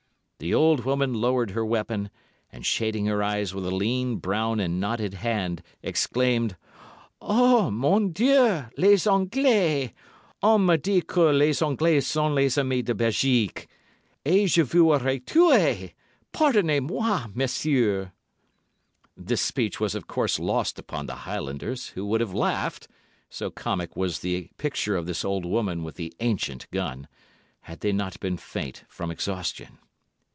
The old woman lowered her weapon, and shading her eyes with a lean, brown, and knotted hand, exclaimed. "Ah, moi dieu, les Anglais! On me dit que les Anglais sont les amis des Belgiques. Et je vous aurai tué! Pardonnez moi messieurs." This speech was of course lost upon the Highlanders, who would have laughed—so comic was the picture of this old woman with the ancient gun—had they not been faint from exhaustion.